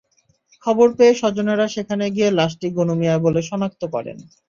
খবর পেয়ে স্বজনেরা সেখানে গিয়ে লাশটি গনু মিয়ার বলে শনাক্ত করেন।